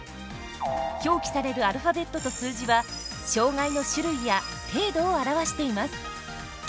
表記されるアルファベットと数字は障がいの種類や程度を表しています。